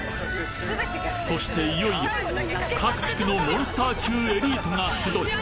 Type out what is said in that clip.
そしていよいよ各地区のモンスター級エリートが集い